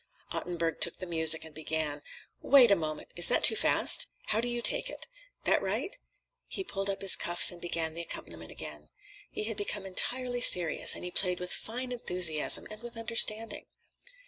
_" Ottenburg took the music and began: "Wait a moment. Is that too fast? How do you take it? That right?" He pulled up his cuffs and began the accompaniment again. He had become entirely serious, and he played with fine enthusiasm and with understanding.